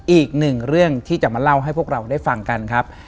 อีกหนึ่งเรื่องที่จะมาเล่าให้พวกเราได้ฟังกันครับ